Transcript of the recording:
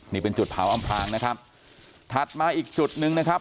นี่เป็นจุดเผาอำพลางนะครับถัดมาอีกจุดหนึ่งนะครับ